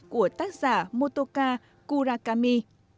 của tác giả motoka kurakami